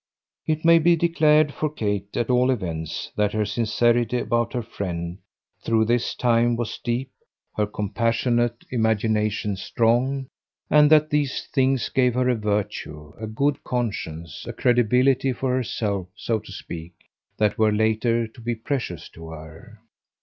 It may be declared for Kate, at all events, that her sincerity about her friend, through this time, was deep, her compassionate imagination strong; and that these things gave her a virtue, a good conscience, a credibility for herself, so to speak, that were later to be precious to her.